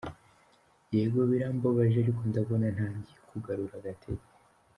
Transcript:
Yego birambabaje, ariko ndabona ntangiye kugarura agatege.